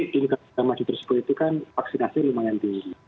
jadi di negara negara maju tersebut itu kan vaksinasi lumayan tinggi